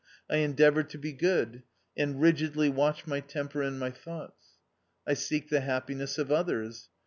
I endeavour to be good, and rigidly watch my temper and my thoughts. I seek the happiness of others.